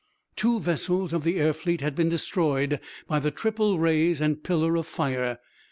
Two vessels of the air fleet had been destroyed by the triple rays and pillar of fire!